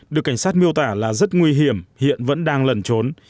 được cảnh sát miêu tả là rất nguy hiểm hiện vẫn đang lẩn trốn